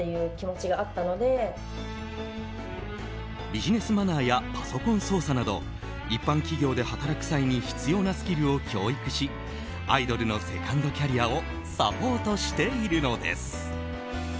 ビジネスマナーやパソコン操作など一般企業で働く際に必要なスキルを教育しアイドルのセカンドキャリアをサポートしているのです。